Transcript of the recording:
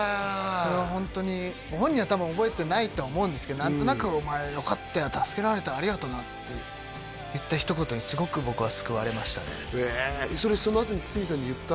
それはホントにご本人は多分覚えてないと思うんですけど何となく「お前よかったよ助けられたありがとな」って言ったひと言にすごくへえそれそのあとに堤さんに言った？